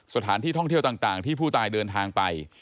สถานที่ท่องเที่ยวต่างที่ผู้ตายเดินทางไป